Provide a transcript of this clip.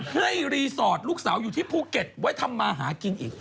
รีสอร์ทลูกสาวอยู่ที่ภูเก็ตไว้ทำมาหากินอีก